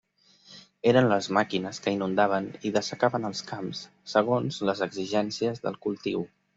Eren les màquines que inundaven i dessecaven els camps, segons les exigències del cultiu.